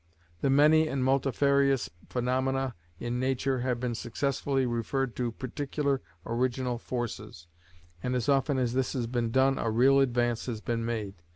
The many and multifarious phenomena in nature have been successfully referred to particular original forces, and as often as this has been done, a real advance has been made.